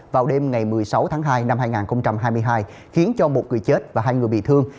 vào đêm ngày một mươi sáu tháng hai năm hai nghìn hai mươi hai khiến cho một người chết và hai người bị thương